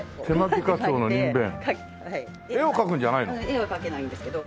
絵は描けないんですけど。